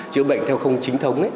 chữa bệnh theo không chính thống